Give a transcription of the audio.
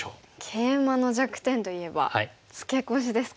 ケイマの弱点といえばツケコシですか？